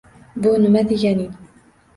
Bu nima deganing